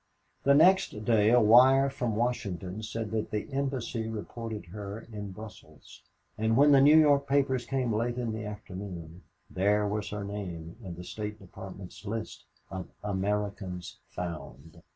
The next morning a wire from Washington said that the Embassy reported her in Brussels, and when the New York papers came late in the afternoon, there was her name in the State Department's list of "Americans Found."